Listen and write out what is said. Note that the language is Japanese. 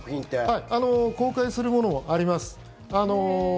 はい公開するものもあります。